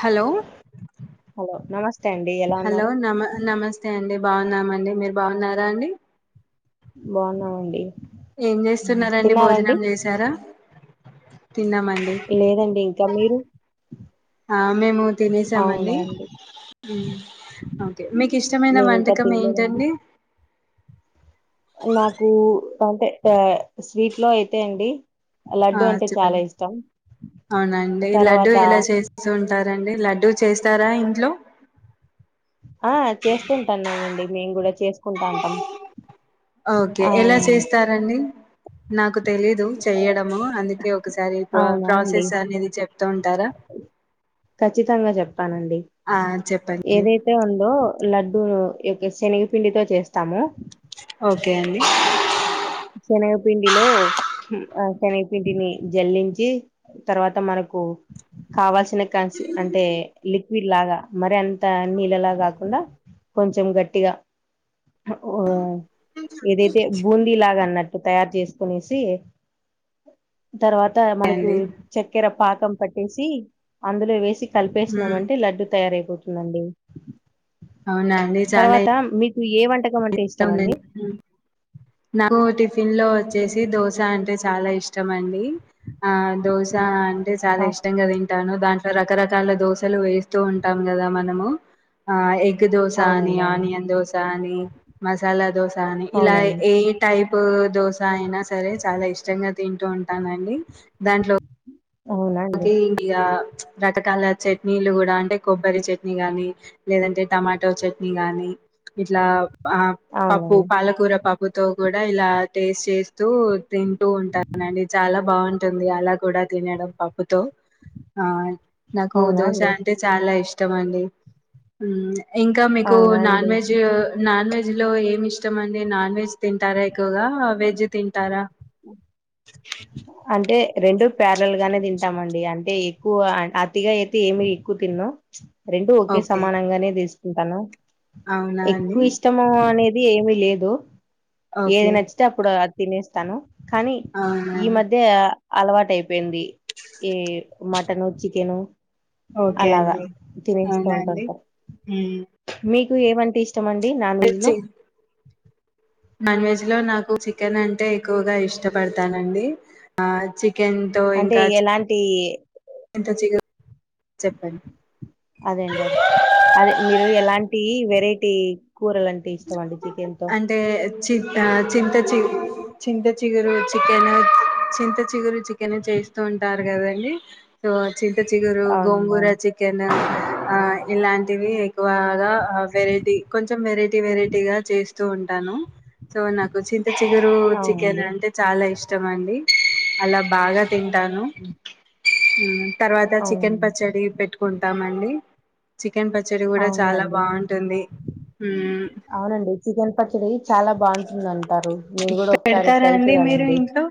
Hello hello నమస్తే అండి ఎలా హలో ఉన్నారు నమ నమస్తే అడి బాగున్నామండి మీరు బాగున్నారా అండి బాగున్నావండి ఏం చేస్తున్నారంండి భోజనం చేసారా తిన్నామండి లేదండి ఇంకా మీరు మేము అవునా తినేసామండి అండి ఓకే మీకు ఇష్టమైన నేను ఇంకా వంటకం తినలేదండి ఏంటండి నాకు అంటే స్వీట్ లో అయితే అండి లడ్డు అంటే ఆచ్చపో చాలా ఇష్టం అవునండి లడ్డూ తర్వాత ఎలా చేస్తు ఉంటారు రండి లడ్డూ చేస్తారా ఇంట్లో ఆ చేస్తుంటాన్నామండి మేము కూడా చేసుకుంటా అంటాం ఓకే ఆ ఎలా చేస్తారంండి నాకు తెలియదు చేయడం అవునా అండి అనేది చెప్తూ ఉంటారా ఖచ్చితంగా చెప్పానండి ఆ చెప్పండి ఏదైతే ఉందో లడ్డూ యొక్క శనగపిండితో చేస్తాము ఓకే అండి శనగపిండిలో ఆ శనగపిండిని జల్లించి తర్వాత మనకు కావాల్సిన చిన్న కాక్ష అంటే లిక్విడ్ లాగా మరి అంత నీళ్ళలా కాకుండా కొంచెం గట్టిగా ఏదైతే బూందీ లాగా అన్నట్టు తయారు చేసుకునేసి తర్వాత ఓకే మనకు అండి చక్కెర పాతం పట్టేసి అందులో వేసి కలిపేసామ ఉమ్, అే లడ్డు తయారయిపోతుంది ందండి అవునండి చాలా నువవు ఏ వంట నాకు టిఫిన్ లో వచ్చేసి దోశ అంటే చాలా ఇష్టం అండి ఆ దోశ ఆ, చాలా ఇష్టంగాద ా దాంట్లో రకరకాల దోసలు వేస్తూ ఉంటాం కదా మన దోస అని అవునండి అవును ఆనియన్ దోస అని ఆ మసాలా దోస కానీ ఇలా అవునండి ఏ టైప్ ఉప్పు దోస అయినా సరే చాలా ఇష్టంగా తింటూ ఉంటానండి దాంట్లో అవునా అండి కే ఇండియా రకకాల చట్నీలు కూడా అంటే కొబ్బరి చట్నీ గాని లేదంటే టమాటో చట్నీ గాని ఇట్లా ఆ పప్పు అవునండి పాలకూర పాప్పు ఉప్పుతో కూడా ఇలా టేస్ట్ చేస్తూ తింటూ ఉంటానండి చాలా బాగుంటుంది అలా కూడా తినడం పాపుతో ఆ నాకు అవునా దోశ అండి అంటే చాలా ఇష్టం ఇష్టమడి ఇంకా మీకు నాన్ అవునండి వెజ్ నాన్ వెజ్ లో ఏమి ఇష్టం అండి నాన్ వెజ్ తింటారా ఎక్కువగా వెజ్ తింటారా అఓ అంటే రెండు ప్యారల్ గానే తింటామండి అంటే ఎక్కువ అతిగా అయితే ఏమి ఎక్కువ తిన్నా రెండు ఓకే సమానంగానే తీసు ఎంతాను అవునా అండి ఎక్కువ ఇష్టము అనేది అది ఏమిీ లేదు ఏది ఓకే నచ్చట్ అప్పుడు తినేస్తాను కానీ అవునా ఈ మధ్య అలవాటు అయిపోయింది ఈ మటన్ చికెను ఓకే అలాగా అండి తినేస్తూ అవునా అండి ఏవంటంటి ఇష్టమండి నాన్ వెజ్ లో మ్మ్ నాన్ వెజ్ లో నాకు చికెన్ అంటే ఎక్కువగా ఇష్టపడతానండి చె అంటే ఎలాంటి ఎంత చీక చెప్పను అదే అండి అదే అదే మీరు ఎలాంటి వెరైటీ కూరలంటే ఇష్టం అండి చికెన్ తో అంటే చి చింత చి చింత చిగురు చికెన్ చింత చిగురు చికెన్ చేస్తూ ఉంటారు కదండి సో చింత చిగురు అవునండి గోంగూర అవును చికెన్ ఆ ఇలాంటివి బాగా వెరైటీ కొంచెం వెరైటీ వెరైటీగా చేస్తూ ఉంటాను సో నాకు చింత చిగురు చికెన్ అవునండి అంటే చాలా ఇష్టం ఇష్ట అండి అలా బాగా తంటను ఆ తర్వాత చికెన్ అవును పచ్చడి పెట్టుకుంటామం చ చికెన్ పచ్చడి కూడా చాలా అవునండి బాగుంటుంది అవునండి చికెన్ పచ్చడి చాలా బాగుంటుంది మడి ారు నేను కూడా ఒకసారి పెడతారా ట్రై అండి మీరు చేయాలండి ఇంట్లో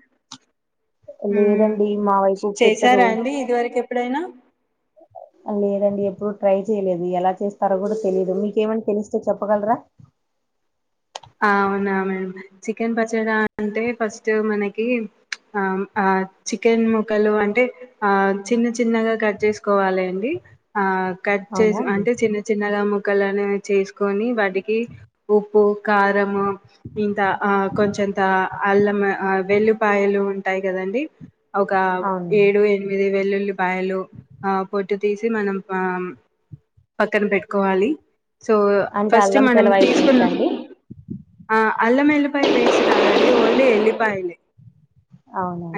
మ్మ్ లేదండి మా వైపు పెట్టరు చేసారా అండి ఇది వరకు ఎప్పుడైనా లేదండి ఎప్పుడు ట్రై చేయలేదు ఎలా చేస్తారో కూడా తెలియదు మీకేమని తెలిస్తే చెప్పగలరా అవునా మ్యాడం చికెన్ పచ్చడా అంటే ఫస్ట్ మనకి చికెన్ ముక్కలు అంటే చిన్న చిన్నగా కట్ చేసుకోవాలి అండి కట్ అవునా చేసి అండి అంటే చిన్న చిన్నగా ము క్కనే చేసుకొని వాటి ఇకి ఒప్పు కారంము ఇంత ఆ కొంచంత అల్లమ వెల్లులిపాయలు ఉంటాయి కదంీ ఒక అవునండి ఏడు ఎనిమిది వెల్లు బయలు ఆ పొట్టు తీసి మనం ఆ పక్కన పెట్టుకోవాలి సో అంటే ఫస్ట్ అల్లం మనం తెలవాయి పేస్ట్ తీసుకున్నాం అండి ఆ అల్లం ఎల్లిపాయల్ వసిత అలీ ఎల్లిపాయలే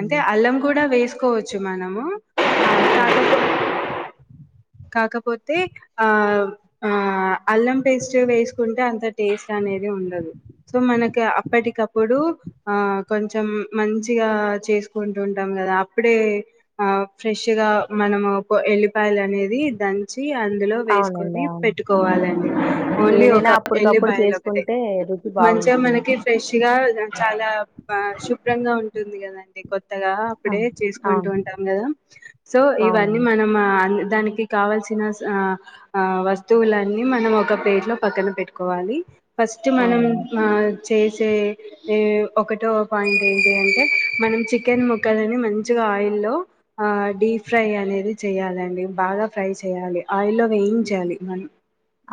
అంటే అల్లం కూడా వేస్ తీసుకోవచ్చు మనము ఆహ్, అ కాకపో కాకపోతే ఆ ఆ అల్లం పేస్ట్ వేసుకుంటే అంత టేస్ట్ అనేది ఉండదు సో మనకి అప్పటికప్పుడు ఆ కొంచెం మంచిగా చేసుకుంటు ఉంటాం కదా అప్పుడే ఆ ఫ్రెష్గా మనము ఎల్లిపాయలు అనే ది దంచ్ తి అందులో అవునండి వేసుకొని అవును పెట్టుకోవాలండి ఓన్లీ ఒక ఏదైనా అప్పటికప్పుడు ఎల్లిపాయలు ఒకటె చేసుకుంటే రుచి మంచిగా బాగుంటుంది మనకి ఫ్రెష్ గా చాలా బా శుభ్రంగా ఉంటుంది కదా అంటే కొత్తగా ఆ, అప్పుడే చేసుకుంటూ అవును ఉంటాం కదా సో ఇవన్నీ అవునండి మనం ఆ దానికి కావలసిన సా ఆ వస్తువులన్నీ మనం ఒక ప్లేట్ లో పక్కన పెట్టుకోవాలి ఫస్ట్ మనం అవునండి మా చేసే ఏ ఒకటో పాయింట్ ఏంటి అంటే మనం చికెన్ ముక్కలని మంచిగా ఆయిల్లో ఆ డీప్ ఫ్రై అనేది చేయాలండి బాగ ఫ్రై చేయాలి ఆయిల్లో వేయించాలి మనం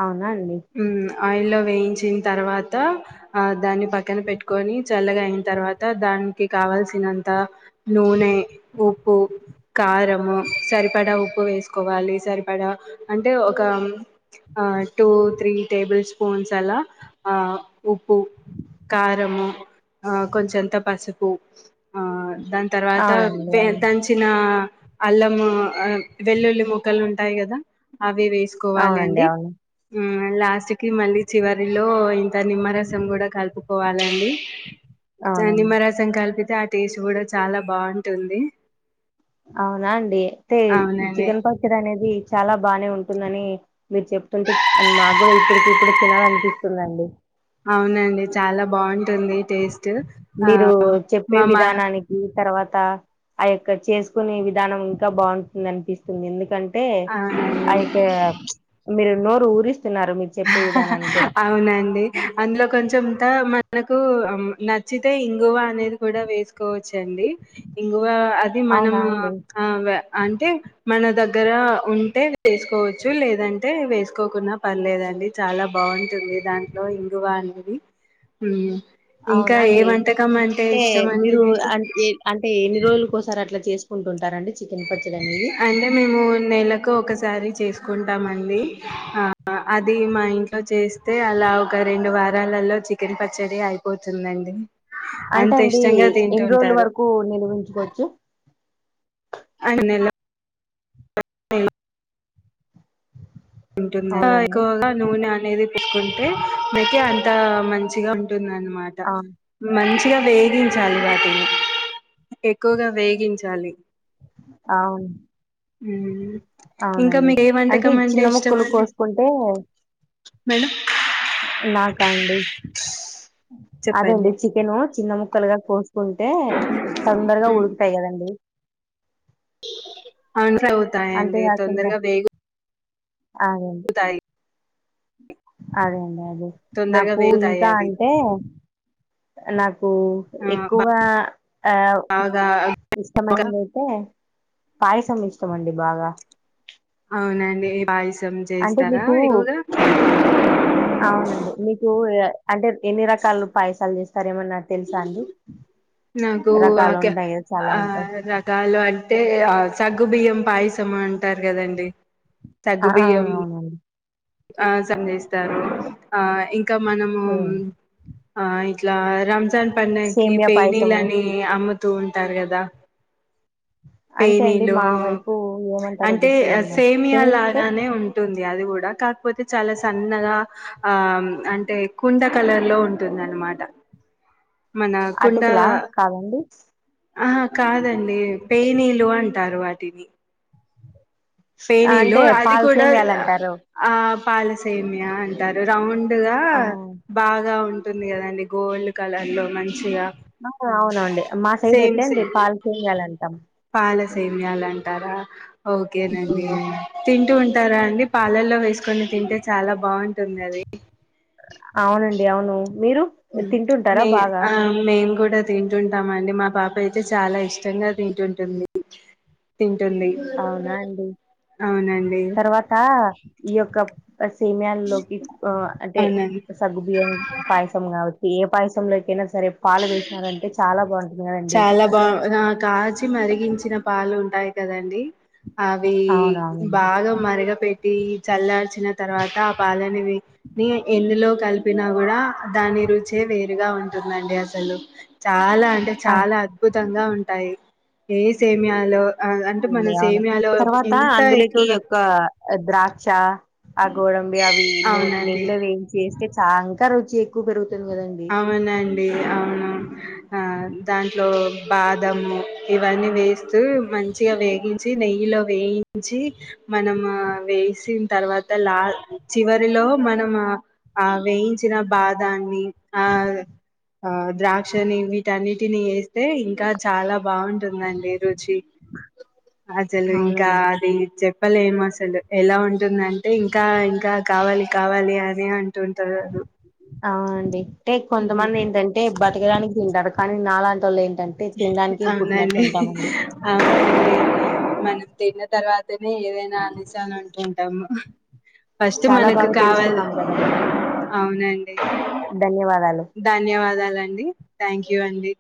అవునా అండి మ్మ్ ఆయిల్లో వేయించిన్ తర్వాత దాన్ని పక్కన పెట్టుకొని చల్లగా అయిన తర్వాత దానికి కావాల్సినంత నూనె ఉప్పు కారము సరిపడా ఉప్పు వేసుకొ కొవాలి సరిపడా అంటే ఒక ఆ టూ త్రీ టేబుల్ స్పూన్స్ అలా ఆ ఉప్పు కారము ఆ కొంచంత పసుపు ఆ దాని తర్వాత అవునండి వె అవును దంచిన అల్లం ఆ వెల్లుల్లి మోక్కలు ఉంటాయి కదా అవి అవి వేసుకోవాలి అవునండి అండి అవును హమ్ మళ్ళీ లాస్ట్ కి మళ్ళీ చివరిలో ఇంత నిమ్మరసం కూడా కలుపుకోవాలండి స అవునండి నిమ్మరసం కలిపి తే ఆ టేస్ట్ కూడా చాలా బాగుంటుంది అవునా అండి అయితే ఈ అవునండి చికెన్ పచ్చడి అనేది అది చాలా బానే ఉంటుందని మీరు చెప్తుంటే అది మాకు కూడా ఇప్పుడుకి ఇప్పుడు తినాలనిపిస్తుందండి ట్ మీరు చెప్పే విధానానికి తర్వాత ఆ యొ క చేసుకునే విధానం ఇంకా బాగుంటుంది అనిపిస్తుంది ఎందుకం టె అవునండి ఆ [unintelligible] మీరు నోరు ఊరిస్తున్నారు మీర్ అవునండి అందులో కొంచంత మ మనకు నచ్చితే ఇంగువ అనేది కూడా వేసుకోవ వచ్చండి ఇంగువ అది అవునా మనమూ అండి ఆ వే అంటే మన దగ్గ గ్గర ఉంటే వేసుకోవచ్చు లేదంటే వేసుకోకున్నా పర్లేదండి చాలా బాగుంటుంది దాంట్లో ఇంగువ అనేది హమ్ ఇంకా అవునా ఏ అండి వంటకం అంటే ఇష్టం అండి మీకు రోల్లు కోసారి అట్లా చేసుకుంటుంటారండి చికెన్ పచ్చడి అనేది అంటే మేము నెలకు ఒకసారి చేసుక్ కుంటామండి ఆ అది మా ఇంట్లో చేస్తే అలా ఒక రెండు వారాలలో చికెన్ పచ్చడి అయిపోతుందండి అంటే అంత అండి ఇష్టంగా ఎన్ని రోజుల తింటుంటారు వరకు నిర్మించుకోవచ్చు ఆరునెల ఉంటుంది అవునండి ఎక్కువగా నూనె అనేది చసుకుంటే మీకె అంత మంచిగా ఉంటుందిన్నమాట ఆ అమాట మంచిగా వేగించాలి వాటిని ఎక్కువగా వేగించాలి అవును ఇంకా మీకు ఏ వంటకం అంటే ఇష్ ముక్కులు కోసుకుంటే మేడం నాకా అండి అదేండి చెప్పండి చికెను చిన్న ముక్కలుగా కోసుకుంటే తొందరగా ఉడుకుతాయి కదండి అవును వుడుకుతయండి అంతేకాకుండా తొందరగా వేగు అదండి అదే అంే అదే తొందరగా నాకు వేగుతాయి ఇంకా అవి అంటే నా నాకు ఆ ఎక్కువగా బాగా ఇష్టమైందియితే పాయస్ ంమిష్టం అండి బాగా అవునండియి అంటే చేయిస్తారా మీకు ఇగా అవునండి మీకు పో అంటే ఎన్ని రకాలు పాయసాలు చేస్త నాకు రకాలు ఉంటాయి కదా చాలా ఆ ఉంటాయి రకాలు అంటే ఆ సగ్గు బియ్యం పాయస ఇస్తమా అంటారు కదంీ ఆ అవునండి ఆ సందయిస్తారు ఆ ఇంకా మనము ఉమ్. ఆ ఇలా రమ్జా పకి సేమియా పాయసము పెనీల్ని అమ్మ వ తూ ఉంటారు కదా అంటే అండి పేనీలు మా వైపు ఏమంటారో అంటే గుర్తులేదు నాకు సేమియా తమంటే లాగానే ఉంటుంది అది కూడా కాకపోతే చాలా సన్నగా ఆ అంటే కుండ కలర్ లో ఉంటుంది అనమాట మన కుండ అటుకులా కాదండి ఆ కాదండి పేనీలు అంటారు వా ిని ఆ, పేనీలు అంటే అది పాల్ కూడా సేమియాలు అంటారు ఆ పాలసేమ్య అంటారు రౌండ్ పడుగా ఆ బాగా ఉంట ంది కదండి గోల్డ్ కలర్ లో మంచిగా అవునండి మా సైడ్ సేమ్ ఎతే అండి పాలు చేయాలంటాం సేమయాలంటారా ఓకే డి ఉమ్. తింటూ ఉంట తస్తారా అండి పాలర్ లో వేసుకొని తింటే చాలా బాగుంటుంది అది అవునండి అవును మీరు తింటుంటారా బాగా క్క తింటుంటామండి మా పాప అయితే చాలా ఇష్టంగా తింటుంటుంది తింటుంది అవునా అండి అవునండి తర్వాత ఈయొక్క సేమయాల్లోకి అంటే అవునండి సగుబియం పాయసం కావచ్చు ఏ పాయసంలోకైన కదండి చాలా బా నా కాచి మరిగించిన పాలు ఉంటాయి కదండి అవి అవునవునండి బాగా మరగ పెట్టి చల్లార్చిన తర్వాత ఆ పాలనిని ఎందులో కలిపినా కూడా దాని రుచే వేరుగా ఉంటుందండి అ లు చాలా అంటే ఆ! చాలా అద్భుతం గా ఉంటాయి ఏ సేమయాలో అవునండి అవును తర్వాత అందులోకి ఎక్కువగా యొక్క ద్రాక్ష ఆ గోడంబి అవి అవునండి నెయ్యిలో వేయించి ఏస్త సాంకా రుచి ఎక్కువ పెరుగు అవునండి అవును ఆ దాంట్లో బాదము ఇవన్నీ వేస్తూ మంచిగా వేగించి నెయ్యిలో వేయించి మనము వేసిన తర్వాత లా చివరిలో మనం ఆ వేయించిన బాదాన్ని ఆ ఆ ద్రాక్షని వీటన్నిటిని వేస్తే ఇంకా చాలా బాగుంటుందండి ర చి అసలు ఇంకా అవునండి అది చె పప్పలే ఏం అసలు ఎలా ఉంటుందంటే ఇంకా ఇంకా కావాలి కావాలి అని అంటే టున్టార్ అవునండి అంటే కొంతమంది ఏంటంటే బతకడానికి తిండు కానీ నాలాంట వాళ్ అవునండి అవునండి మనం తిన్న తర్వాతనే ఏదైనా ఆనేశాల అంటుంటాము ఫస్ట్ చాలా మనకు బాగా కావాల తెలుసుకున్నాం కదండి అవునండి ధన్యవాదాలు ధన్యవాదాలండి థ్యాంక్ యూ వండి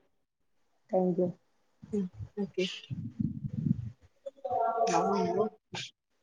థ్యాంక్ యూ ఓకే [inaudible]